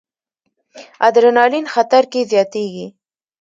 ادرانالین خطر کې زیاتېږي.